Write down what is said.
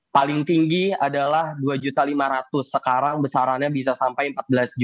paling tinggi adalah rp dua lima ratus sekarang besarannya bisa sampai empat belas